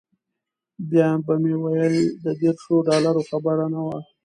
بیا به مې ویل د دیرشو ډالرو خبره نه وه.